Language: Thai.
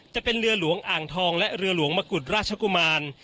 จะเป็นเรือหลวงอ่างทองและเรือหลวงมะกุฎราชกุมาร